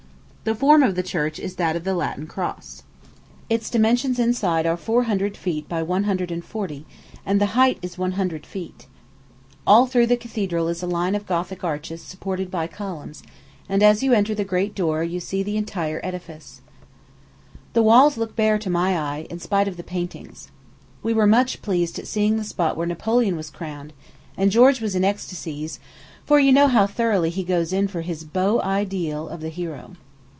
The form of the church is that of the Latin cross. Its dimensions inside are four hundred feet by one hundred and forty, and the height is one hundred feet. All through the cathedral is a line of Gothic arches supported by columns, and, as you enter the great door, you see the entire edifice. The walls look bare to my eye, in spite of the paintings. We were much pleased at seeing the spot where Napoleon was crowned; and George was in ecstasies, for you know how thoroughly he goes in for his beau ideal of the hero.